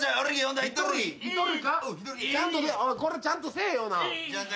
これちゃんとせえよ。なあ？